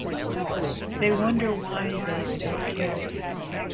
They wonder why they still care.